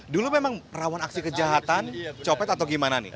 dulu memang rawan aksi kejahatan copet atau gimana nih